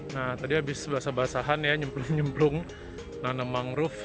nah tadi habis basah basahan ya nyemplung nyemplung nanam mangrove